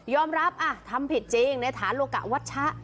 รับทำผิดจริงในฐานโลกะวัชชะ